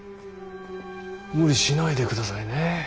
無理しないでくださいね。